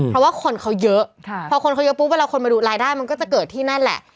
เพราะว่าคนเขาเยอะพอคนเขาเยอะปุ๊บเวลาคนมาดูรายได้มันก็จะเกิดที่นั่นแหละ